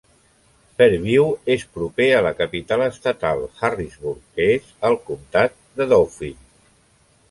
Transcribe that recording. Fairview és proper a la capital estatal, Harrisburg, que és al comtat de Dauphin.